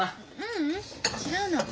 ううん違うの。